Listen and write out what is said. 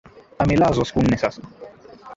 Amelazwa siku nne sasa